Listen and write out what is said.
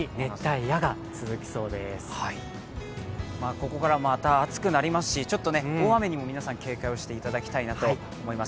ここからまた暑くなりますしちょっと大雨にも皆さん警戒をしていただければと思います。